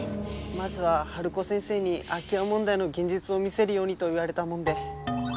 まずはハルコ先生に空き家問題の現実を見せるようにと言われたもんで。